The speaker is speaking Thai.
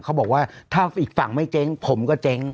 เขาบอกว่าถ้าอีกฝั่งไม่เจ๊งผมก็เจ๊ง